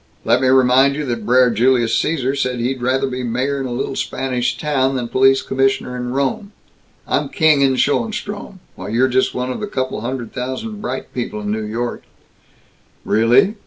"Let me remind you that Brer Julius Cæsar said he'd rather be mayor in a little Spanish town than police commissioner in Rome. I'm king in Schoenstrom, while you're just one of a couple hundred thousand bright people in New York " "Really?